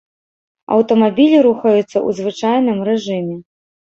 Аўтамабілі рухаюцца ў звычайным рэжыме.